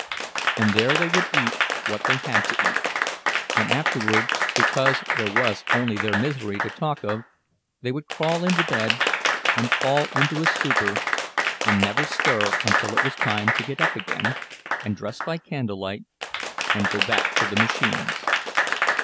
And there they would eat what they had to eat, and afterward, because there was only their misery to talk of, they would crawl into bed and fall into a stupor and never stir until it was time to get up again, and dress by candlelight, and go back to the machines.